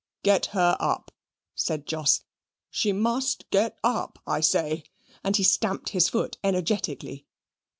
"Get her up," said Jos; "she must get up, I say": and he stamped his foot energetically.